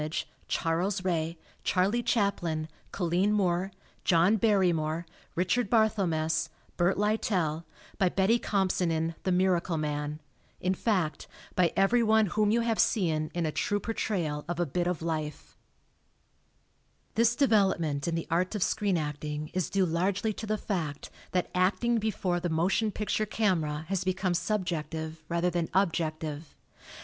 ee, Charles Ray, Charlie Chaplin, Colleen Moore, John Barrymore, Richard Barthel mess, Bert Lytell, by Betty Compson in "The Miracle Man" in fact, by everyone whom you have seen in a true portrayal of a bit of life. This development in the art of screen acting is due largely to the fact that acting before the motion picture 104 THE DEVELOPMENT OF SCREEN ACTING AS AN ART camera has become subjective, rather than objective.